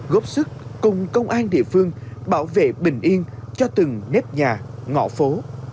góp sức cùng công an địa phương bảo vệ bình yên cho từng nếp nhà ngõ phố